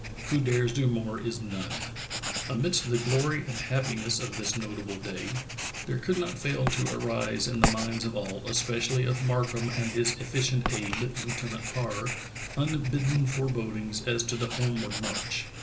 Who dares do more is none." Amidst the glory and happiness of this notable day, there could not fail to arise in the minds of all, especially of Markham and his efficient aid, Lieutenant Parr, unbidden forebodings as to the homeward march.